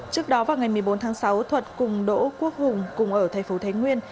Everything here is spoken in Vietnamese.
trước đó vào ngày một mươi bốn tháng sáu thuật cùng đỗ quốc hùng cùng ở tp thái nguyên